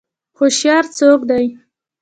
هوشیار څوک دی؟